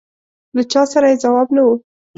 له چا سره یې ځواب نه و.